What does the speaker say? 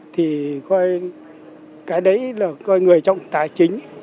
thì coi cái đấy là coi người trong tài chính